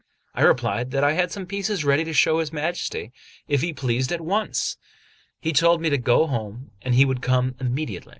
I replied that I had some pieces ready to show his Majesty, if he pleased, at once. He told me to go home and he would come immediately.